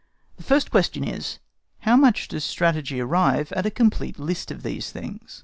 The first question is, How does strategy arrive at a complete list of these things?